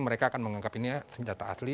mereka akan menganggap ini senjata asli